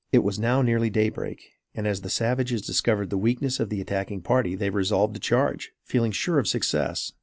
It was now nearly daybreak; and as the savages discovered the weakness of the attacking party, they resolved to charge, feeling sure of success.